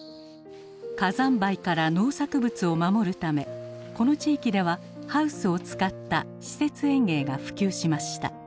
火山灰から農作物を守るためこの地域ではハウスを使った施設園芸が普及しました。